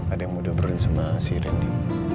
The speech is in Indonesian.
ada yang mau doberin sama si rini